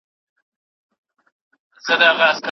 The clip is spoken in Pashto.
هر دلیل باید منطقي وي.